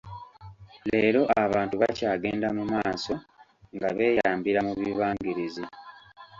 Leero abantu bakyagenda mu maaso nga beeyambira mu bibangirizi.